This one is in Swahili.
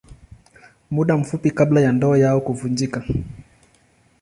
Muda mfupi kabla ya ndoa yao kuvunjika.